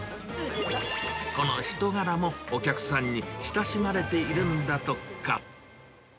この人柄もお客さんに親しまれているんだとか。